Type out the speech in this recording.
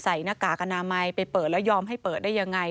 หน้ากากอนามัยไปเปิดแล้วยอมให้เปิดได้ยังไง